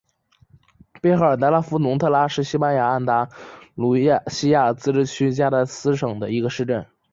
贝赫尔德拉夫龙特拉是西班牙安达卢西亚自治区加的斯省的一个市镇。